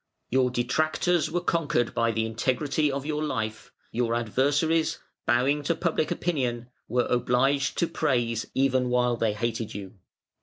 ] Your detractors were conquered by the integrity of your life; your adversaries, bowing to public opinion, were obliged to praise even while they hated you.